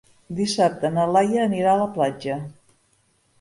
Dissabte na Laia anirà a la platja.